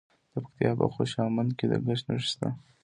د پکتیکا په خوشامند کې د ګچ نښې شته.